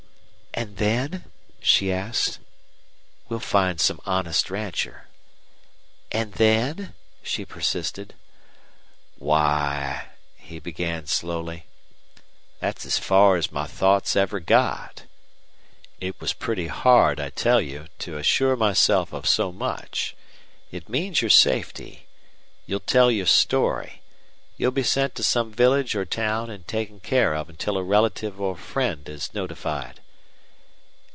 "And then?" she asked. "We'll find some honest rancher." "And then?" she persisted. "Why," he began, slowly, "that's as far as my thoughts ever got. It was pretty hard, I tell you, to assure myself of so much. It means your safety. You'll tell your story. You'll be sent to some village or town and taken care of until a relative or friend is notified."